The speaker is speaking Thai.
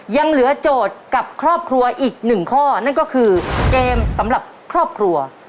ยังเหลือโจทย์กับครอบครัวอีกหนึ่งข้อนั่นก็คือเกมสำหรับครอบครัว